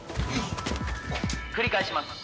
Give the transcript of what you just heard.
「繰り返します。